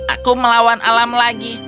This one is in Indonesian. aku melawan alam lagi